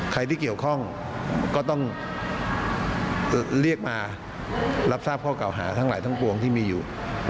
ใครที่เกี่ยวข้องก็ต้องเรียกมารับทราบข้อเก่าหาทั้งหลายทั้งปวงที่มีอยู่